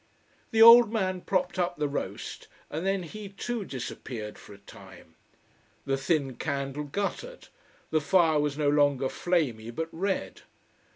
The old man propped up the roast, and then he too disappeared for a time. The thin candle guttered, the fire was no longer flamy but red.